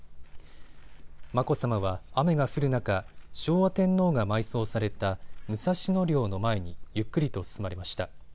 眞子さまは雨が降る中、昭和天皇が埋葬された武蔵野陵の前にゆっくりと進まれました。